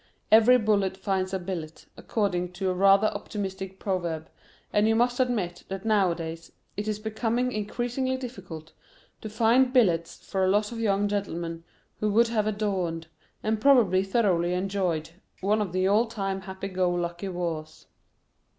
Every bullet finds a billet, according to a rather optimistic proverb, and you must admit that nowadays it is becoming increasingly difficult to find billets for a lot of young gentlemen who would have adorned, and probably thoroughly enjoyed, one of the old time happy go lucky wars.